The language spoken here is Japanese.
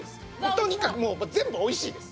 とにかく全部美味しいです。